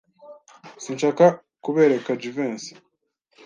Sinshaka kubereka Jivency.